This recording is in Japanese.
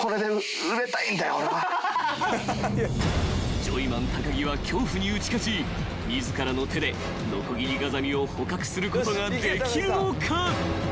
［ジョイマン高木は恐怖に打ち勝ち自らの手でノコギリガザミを捕獲することができるのか］